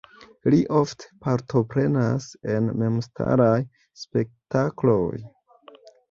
Li ofte partoprenas en memstaraj spektakloj.